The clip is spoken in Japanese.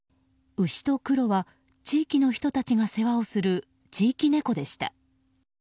ウシとクロは地域の人たちが世話をする地域猫でした。